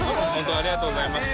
榲ありがとうございました。